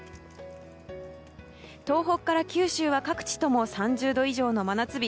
東北から九州は各地とも３０度以上の真夏日。